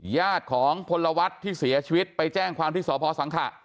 ญาติของพลวัฒน์ที่เสียชีวิตไปแจ้งความที่สพสังขะ